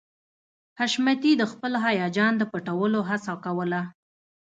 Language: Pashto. حشمتي د خپل هيجان د پټولو هڅه کوله